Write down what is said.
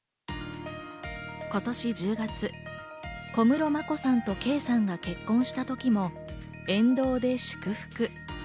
今年１０月、小室眞子さんと圭さんが結婚した時も沿道で祝福。